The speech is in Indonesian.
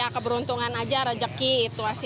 keberuntungan aja rezeki itu aja